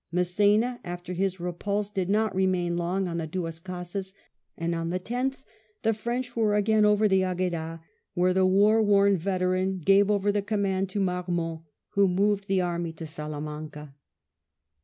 Mass^na, after his repulse, did not remain long on the Duas Casas, and on the 10th the French were again over the Agueda, where the war worn veteran gave over the command to Marmont, who moved the army to Sala manca.